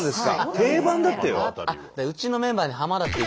定番だってよ。